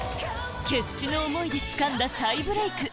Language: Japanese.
決死の思いでつかんだ再ブレイク